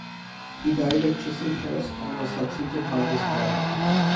He died at Chislehurst, and was succeeded by his brother.